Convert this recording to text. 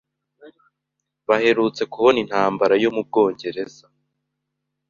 baherutse kubona intambara yo mu Bwongereza